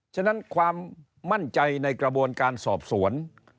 ฉะนั้นความมั่นใจในกระบวนการสอบสวน